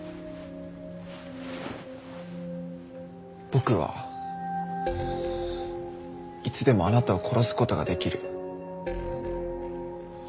僕はいつでもあなたを殺す事ができる。